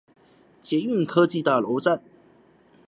捷運科技大樓站